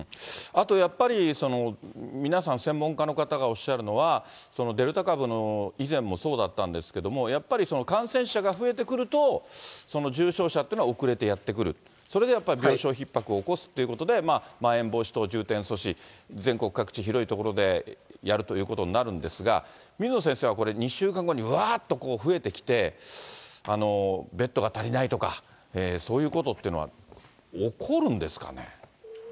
あとやっぱり、皆さん専門家の方がおっしゃるのは、デルタ株の以前もそうだったんですけれども、やっぱり感染者が増えてくると、重症者っていうのは遅れてやって来る、それがやっぱり病床ひっ迫を起こすということで、まん延防止等重点措置、全国各地、広い所でやるということになるんですが、水野先生はこれ、２週間後にうわーっと増えてきて、ベッドが足りないとか、そういうことっていうのは起こるんですかね。